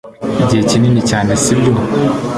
Igihe kinini cyane sibyo